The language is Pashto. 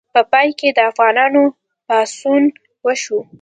په پای کې د افغانانو پاڅون وشو.